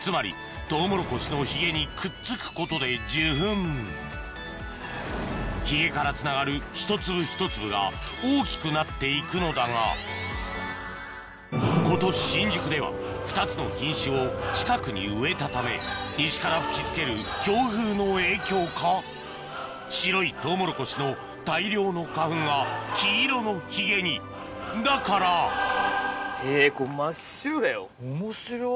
つまりトウモロコシのヒゲにくっつくことで受粉ヒゲからつながる一粒一粒が大きくなって行くのだが今年新宿では２つの品種を近くに植えたため西から吹き付ける強風の影響か白いトウモロコシの大量の花粉が黄色のヒゲにだから面白っ。